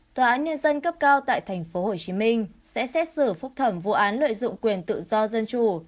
tòa án nhân dân cấp cao tại tp hcm sẽ xét xử phúc thẩm vụ án lợi dụng quyền tự do dân chủ